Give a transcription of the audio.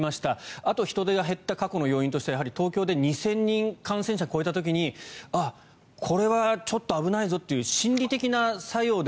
あと人出が減った要因としてはやはり東京で２０００人感染者が超えた時にこれはちょっと危ないぞという心理的な作用で